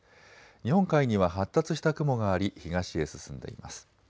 日本海には発達した雲があり東へ進んでいます。